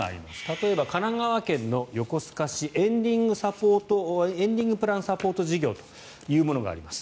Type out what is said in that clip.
例えば神奈川県横須賀市エンディングプラン・サポート事業というものがあります。